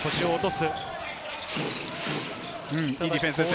いいディフェンスですよ。